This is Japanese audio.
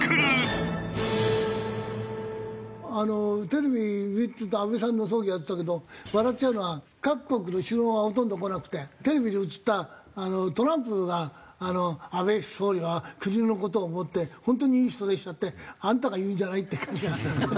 テレビ見てて安倍さんの葬儀やってたけど笑っちゃうのは各国の首脳がほとんど来なくてテレビに映ったトランプが「安倍総理は国の事を思って本当にいい人でした」ってあんたが言うんじゃないっていう感じが。